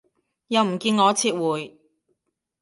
又唔見我撤回